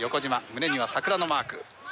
胸には桜のマーク。